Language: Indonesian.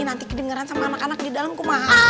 nanti kedengeran sama anak anak di dalam kuma